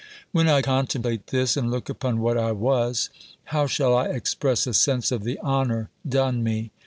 When I contemplate this, and look upon what I was How shall I express a sense of the honour done me!